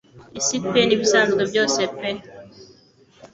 Isi pe n'ibisanzwe byose pe